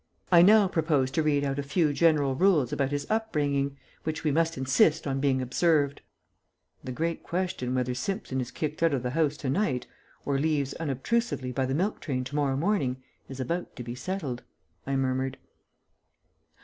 I now propose to read out a few general rules about his upbringing which we must insist on being observed." "The great question whether Simpson is kicked out of the house to night, or leaves unobtrusively by the milk train to morrow morning, is about to be settled," I murmured.